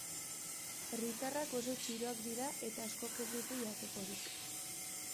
Herritarrak oso txiroak dira eta askok ez dute jatekorik.